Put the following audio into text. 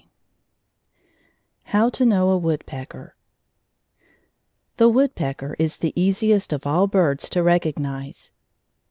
I HOW TO KNOW A WOODPECKER The woodpecker is the easiest of all birds to recognize.